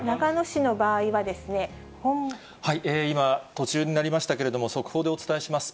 今、途中になりましたけれども、速報でお伝えします。